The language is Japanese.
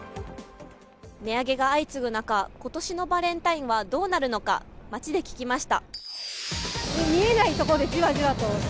値上げが相次ぐ中、今年のバレンタインはどうなるのか街で聞きました。